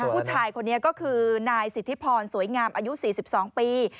ผู้ชายคนนี้ก็คือนายสิทธิพรสวยงามอายุ๔๒ปี